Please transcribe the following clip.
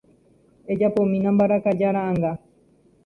Ejapomína mbarakaja ra'ãnga.